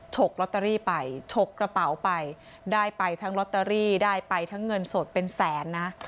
ฉกลอตเตอรี่ไปฉกกระเป๋าไปได้ไปทั้งลอตเตอรี่ได้ไปทั้งเงินสดเป็นแสนนะ